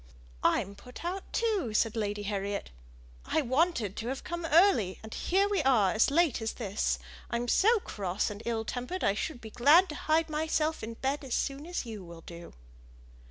"I'm put out too," said Lady Harriet. "I wanted to have come early, and here we are as late as this. I'm so cross and ill tempered, I should be glad to hide myself in bed as soon as you will do."